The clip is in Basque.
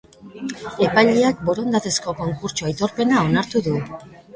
Epaileak borondatezko konkurtso aitorpena onartu du.